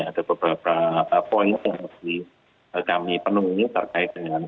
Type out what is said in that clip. ada beberapa poin yang lebih kami penuhi terkait dengan